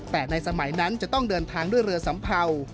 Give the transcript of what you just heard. แต่ในสมัยนั้นจะต้องเดินทางด้วยเรือสัมเภา